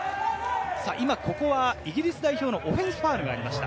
今ここはイギリス代表のオフェンスファウルがありました。